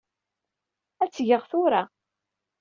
Ad tgeɣ tura.